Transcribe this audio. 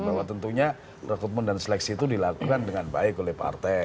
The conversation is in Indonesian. bahwa tentunya rekrutmen dan seleksi itu dilakukan dengan baik oleh partai